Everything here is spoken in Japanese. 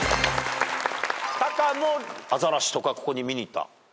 タカもアザラシとかここに見に行った？